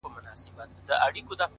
گوره زما گراني زما د ژوند شاعري؛